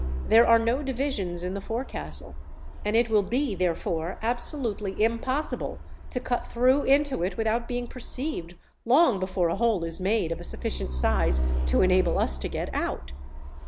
There are no divisions in the forecastle, and it will be, therefore, absolutely impossible to cut through into it, without being perceived long before a hole is made of a sufficient size to enable us to get out.